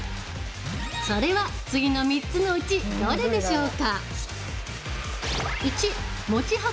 それは次の３つのうちどれでしょうか？